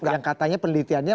yang katanya penelitiannya